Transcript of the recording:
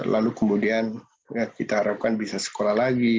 lalu kemudian kita harapkan bisa sekolah lagi